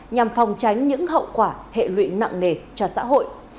nhằm phòng tránh những hậu quả hệ lụy nặng nề cho xã hội